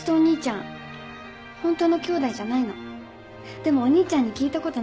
でもお兄ちゃんに聞いたことないの。